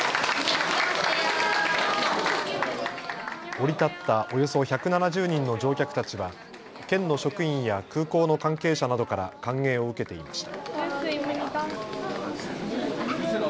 降り立ったおよそ１７０人の乗客たちは県の職員や空港の関係者などから歓迎を受けていました。